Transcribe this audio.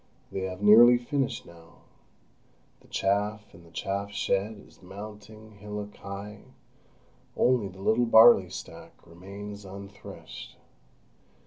They have nearly finished now; the chaff in the chaff shed is mounting hillock high; only the little barley stack remains unthreshed.